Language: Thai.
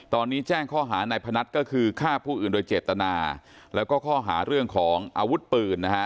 ตอนนี้แจ้งข้อหานายพนัทก็คือฆ่าผู้อื่นโดยเจตนาแล้วก็ข้อหาเรื่องของอาวุธปืนนะฮะ